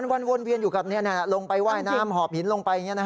วันวนเวียนอยู่กับนี่ลงไปว่ายน้ำหอบหินลงไป